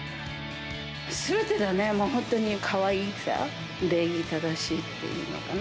すべてだね、もう本当にかわいさ、礼儀正しいっていうのかな。